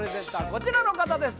こちらの方です